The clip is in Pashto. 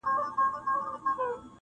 غر او سمه د سركښو اولسونو!.